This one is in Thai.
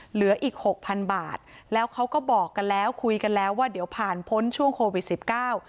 เหลืออีกหกพันบาทแล้วเขาก็บอกกันแล้วคุยกันแล้วว่าเดี๋ยวผ่านพ้นช่วงโควิดสิบเก้า